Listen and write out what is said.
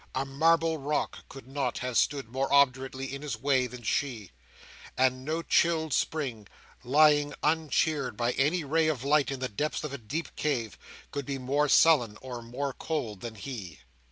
A marble rock could not have stood more obdurately in his way than she; and no chilled spring, lying uncheered by any ray of light in the depths of a deep cave, could be more sullen or more cold than he.